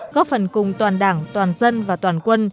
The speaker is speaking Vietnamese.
góp phần cùng toàn đảng toàn dân và toàn quân